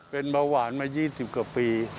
เป็นเบาหวานมา๒๐กว่าปี